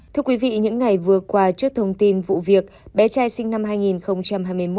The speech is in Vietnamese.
thưa quý vị những ngày vừa qua trước thông tin vụ việc bé trai sinh năm hai nghìn hai mươi một